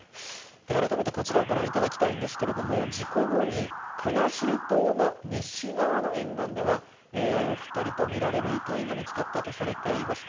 改めて、こちらをご覧いただきたいんですけれども、事故後に、国後島の西側の沿岸では、お２人と見られる遺体が見つかったとされています。